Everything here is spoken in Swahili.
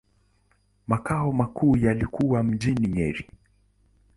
Makao makuu yalikuwa mjini Nyeri.